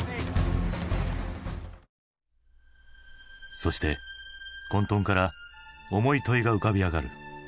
そして混とんから重い問いが浮かび上がる。